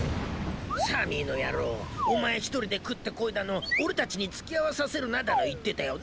サミーの野郎「お前一人で食ってこい」だの「俺たちにつきあわさせるな」だの言ってたよなあ？